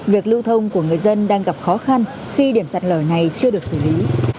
việc lưu thông của người dân đang gặp khó khăn khi điểm sạt lở này chưa được xử lý